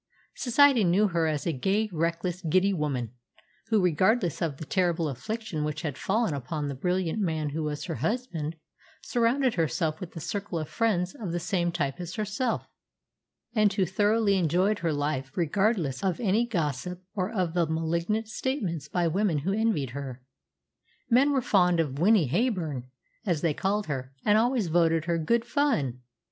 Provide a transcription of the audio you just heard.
Society knew her as a gay, reckless, giddy woman, who, regardless of the terrible affliction which had fallen upon the brilliant man who was her husband, surrounded herself with a circle of friends of the same type as herself, and who thoroughly enjoyed her life regardless of any gossip or of the malignant statements by women who envied her. Men were fond of "Winnie Heyburn," as they called her, and always voted her "good fun."